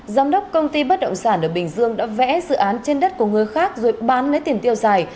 giám đốc công ty bất động sản ở bình dương đã vẽ dự án trên đất của người khác rồi bán lấy tiền tiêu xài